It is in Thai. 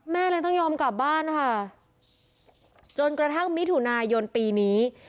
แม่เลยต้องยอมกลับบ้านค่ะจนกระทั่งมิถุนายนปีนี้